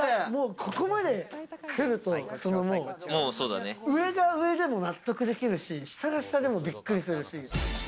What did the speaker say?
ここまでくると、上が上でも納得できるし、下も下でもびっくりするし。